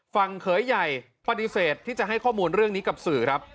เขยใหญ่ปฏิเสธที่จะให้ข้อมูลเรื่องนี้กับสื่อครับ